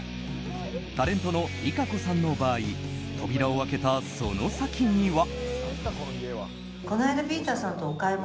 タレントのＲＩＫＡＣＯさんの場合扉を開けたその先には。